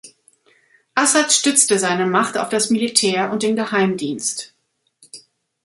Assad stützte seine Macht auf das Militär und den Geheimdienst.